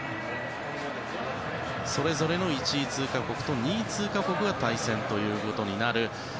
それぞれの１位通過国と２位通過国が対戦ということになる。